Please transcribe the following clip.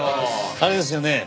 あれですよね？